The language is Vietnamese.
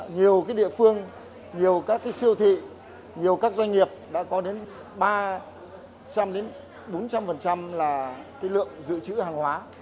nhiều địa phương nhiều các siêu thị nhiều các doanh nghiệp đã có đến ba trăm linh bốn trăm linh là lượng dự trữ hàng hóa